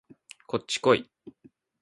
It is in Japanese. こっちこい